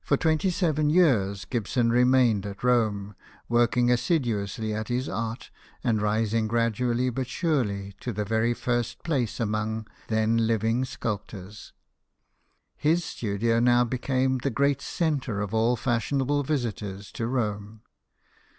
For twenty seven years Gibson remained at Rome, working assiduously at his art, and rising gradually but surely to the very first place among then living sculptors. His studio now became the great centre of all fashionable visitors to Rome.